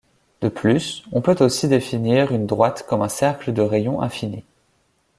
De plus on peut aussi définir une droite comme un cercle de rayon infini.